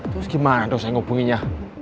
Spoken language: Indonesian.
tuh gimana tuh saya hubunginya